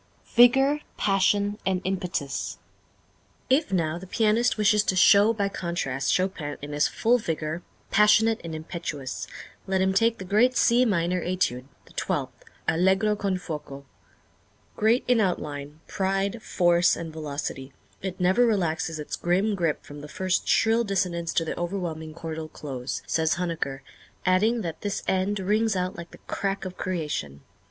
Vigor, Passion, and Impetus. If now the pianist wishes to show by contrast Chopin in his full vigor, passionate and impetuous, let him take the great C Minor Étude, the twelfth, Allegro con fuoco. "Great in outline, pride, force and velocity, it never relaxes its grim grip from the first shrill dissonance to the overwhelming chordal close," says Huneker, adding that "this end rings out like the crack of creation."